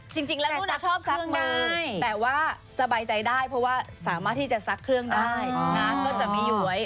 จริงแล้วนุ่นชอบซักเครื่องหนึ่งแต่ว่าสบายใจได้เพราะว่าสามารถที่จะซักเครื่องได้นะก็จะมีย้วย